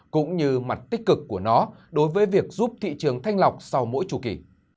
cũng như mặt tích cực của nó đối với việc giúp thị trường thanh lọc sau mỗi chùa kỳ